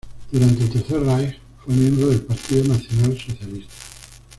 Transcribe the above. Durante el Tercer Reich fue miembro del partido nacional-socialista.